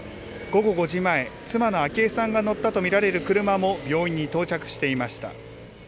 午後５時前、妻の昭恵さんが乗ったと見られる車も病院に到着していました。